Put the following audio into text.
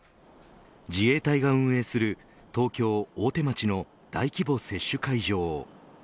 自衛隊が運営する東京、大手町の大規模接種会場。